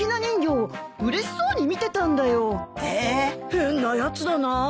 変なやつだなあ。